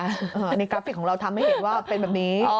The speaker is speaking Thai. อันนี้กราฟิกของเราทำให้เห็นว่าเป็นแบบนี้